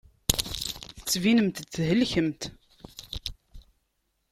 Tettbinemt-d thelkemt.